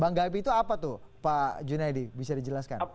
bank gaib itu apa tuh pak junedi bisa dijelaskan